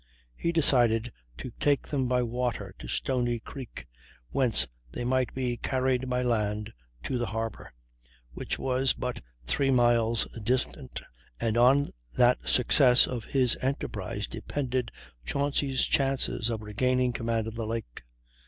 He decided to take them by water to Stony Creek, whence they might be carried by land to the Harbor, which was but three miles distant; and on the success of his enterprise depended Chauncy's chances of regaining command of the lake.